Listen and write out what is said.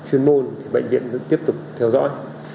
chuyên môn thì bệnh viện vẫn tiếp tục theo dõi